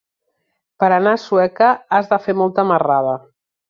Per anar a Sueca has de fer molta marrada.